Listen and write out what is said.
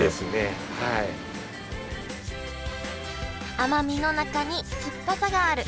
甘みの中に酸っぱさがある。